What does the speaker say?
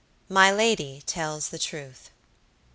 MY LADY TELLS THE TRUTH.